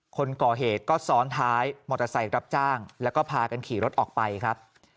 คนก่อเหตุก็ซ้อนท้ายมอเตอร์ไซค์รับจ้างแล้วก็พากันขี่รถออกไปครับ